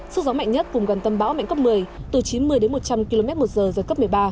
sức gió mạnh nhất vùng gần tâm bão mạnh cấp một mươi từ chín mươi đến một trăm linh km một giờ giật cấp một mươi ba